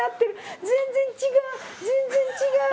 全然違う。